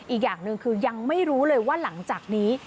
อีกอย่างหนึ่งคือยังไม่รู้เลยว่าหลังจากนี้